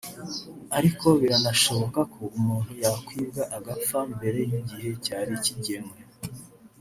ariko biranashoboka ko umuntu yakwibwa agapfa mbere y’igihe cyari kigenwe